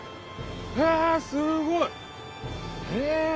へえすごい！え？